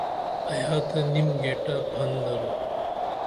ایا تہ نیم گیننٹہ پھن درو